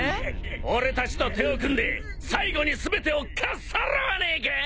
俺たちと手を組んで最後に全てをかっさらわねえか？